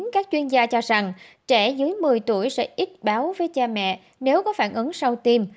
các chuyên gia cho rằng trẻ dưới một mươi tuổi sẽ ít báo với cha mẹ nếu có phản ứng sau tiêm